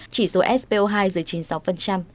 chỉ số spo hai giữa chín mươi sáu